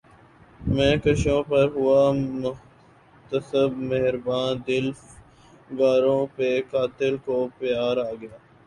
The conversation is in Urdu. مے کشوں پر ہوا محتسب مہرباں دل فگاروں پہ قاتل کو پیار آ گیا